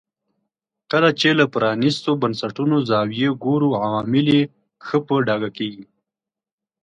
کله چې له پرانیستو بنسټونو زاویې ګورو عوامل یې ښه په ډاګه کېږي.